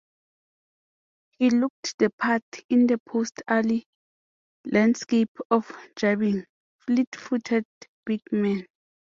He looked the part in the post-Ali landscape of jabbing, fleet-footed big men.